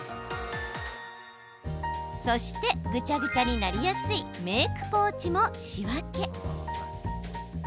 そしてぐちゃぐちゃになりやすいメークポーチも仕分け。